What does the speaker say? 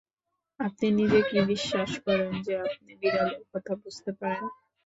আপনি নিজে কি বিশ্বাস করেন যে আপনি বিড়ালের কথা বুঝতে পারেন?